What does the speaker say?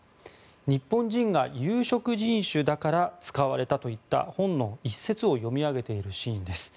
日本人が有色人種だから使われたといった本の一節を読み上げているシーンです。